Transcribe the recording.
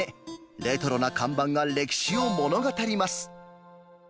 レトロな看板が歴史を物語ります。